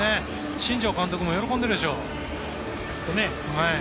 新庄監督も喜んでるでしょう。